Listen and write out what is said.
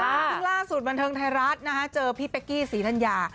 ซึ่งล่าสุดบันเทิงไทยรัฐเจอพี่เป๊กกี้ศรีธัญญา